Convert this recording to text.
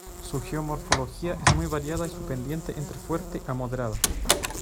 Su geomorfología es muy variada y su pendiente entre fuerte a moderada.